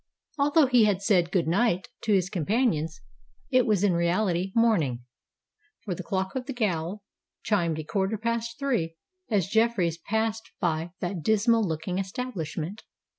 Although he had said "good night" to his companions, it was in reality morning; for the clock of the gaol chimed a quarter past three as Jeffreys passed by that dismal looking establishment.